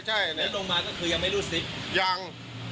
แล้วลงมาก็คือยังไม่รู้สิทธิ์ยัง